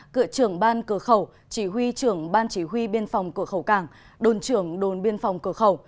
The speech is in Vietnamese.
cựu trưởng ban cửa khẩu chỉ huy trưởng ban chỉ huy biên phòng cửa khẩu cảng đồn trưởng đồn biên phòng cửa khẩu